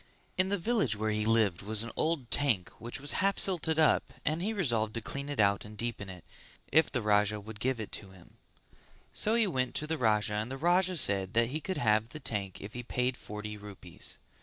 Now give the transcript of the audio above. In the village where he lived was an old tank which was half silted up and he resolved to clean it out and deepen it, if the Raja would give it to him; so he went to the Raja and the Raja said that he could have the tank if he paid forty rupees.